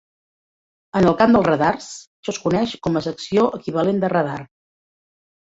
En el camp dels radars això es coneix com a secció equivalent de radar.